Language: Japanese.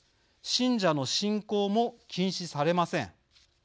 信者の信仰も禁止されません。